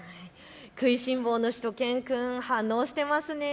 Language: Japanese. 食いしん坊のしゅと犬くん反応してますね。